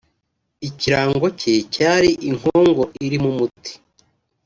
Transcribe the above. Ikirango cye cyari inkongoro irimo umuti